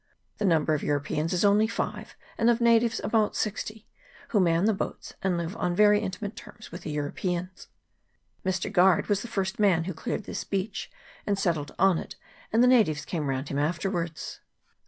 The number of Europeans is only five, and of natives about sixty, who man the boats, and live on very in timate terms with the Europeans. Mr. Guard was the first man who cleared this beach and settled on CHAP. II.] PORT UNDERWOOD. 63 it, and the natives came round him afterwards.